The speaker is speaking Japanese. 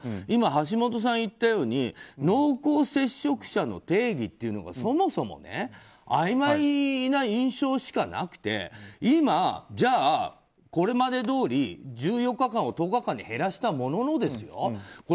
今、橋下さんが言ったように濃厚接触者の定義というのがそもそもあいまいな印象しかなくて今、じゃあこれまでどおり１４日間を１０日間に減らしたもののですよ